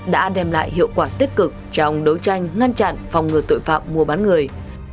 đã đem lại hiệu quả tích cực trong đấu tranh ngăn chặn phòng ngừa tội phạm mua bán người